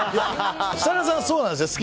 設楽さん、そうなんですよ。